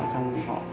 xong rồi họ